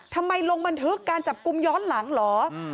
ลงบันทึกการจับกลุ่มย้อนหลังเหรอ